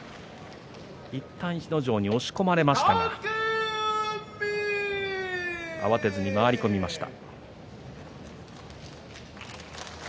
いったん逸ノ城に押し込まれましたが慌てずに回り込みました。